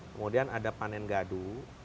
kemudian ada panen gadu